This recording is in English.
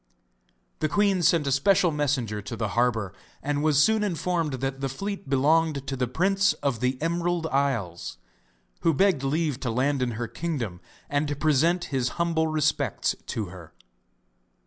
The queen sent a special messenger to the harbour, and was soon informed that the fleet belonged to the Prince of the Emerald Isles, who begged leave to land in her kingdom, and to present his humble respects to her.